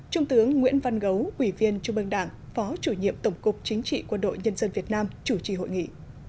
trung tướng nguyễn văn gấu ủy viên trung ương đảng phó chủ nhiệm tổng cục chính trị quân đội nhân dân việt nam chủ trì hội nghị